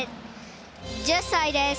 １０歳です。